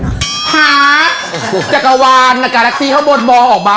หาจักรวาลและกาลัคซีเข้าบนบอออกมา